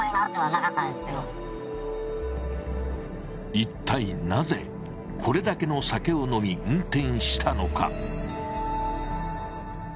一体なぜこれだけの酒を飲み運転したのか。